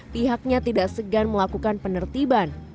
pihaknya tidak segan melakukan penertiban